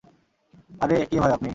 আরেহ, কে ভাই আপনি?